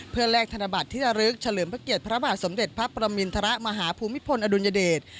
เพื่อแลกธนบัตรที่ระลึกเฉลิมพระเกียรติพระบาทสมเด็จพระประมินทรมาฮภูมิพลอดุลยเดช